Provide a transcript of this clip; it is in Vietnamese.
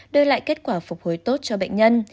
đưa lại kết quả phục hồi tốt cho bệnh nhân